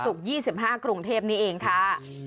อุดมศุกร์๒๕กรุงเทพนี้เองค่ะ